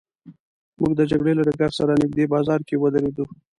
موږ د جګړې له ډګر سره نږدې بازار کې ودرېدو.